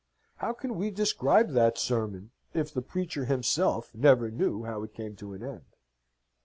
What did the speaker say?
How can we describe that sermon, if the preacher himself never knew how it came to an end?